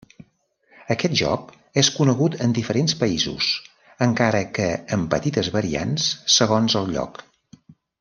Aquest joc és conegut en diferents països, encara que amb petites variants segons el lloc.